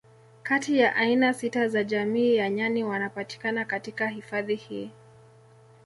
Kati ya aina sita za jamii ya nyani wanapatikana katika hifadhi hii